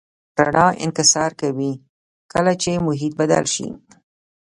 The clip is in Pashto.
رڼا انکسار کوي کله چې محیط بدل شي.